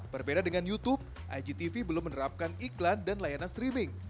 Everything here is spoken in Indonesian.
berbeda dengan youtube igtv belum menerapkan iklan dan layanan streaming